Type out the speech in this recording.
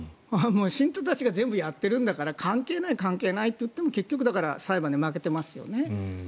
信徒たちが全部やっているんだから関係ない、関係ないと言っても結局、だから裁判で負けていますよね。